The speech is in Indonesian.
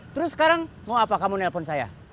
terus sekarang mau apa kamu nelpon saya